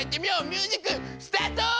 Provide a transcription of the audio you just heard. ミュージックスタート！